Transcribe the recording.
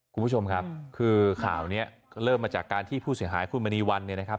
คุณผู้ชมครับคือข่าวนี้เริ่มมาจากการที่ผู้เสียหายคุณมณีวันเนี่ยนะครับ